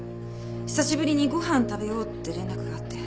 久しぶりにご飯食べようって連絡があって。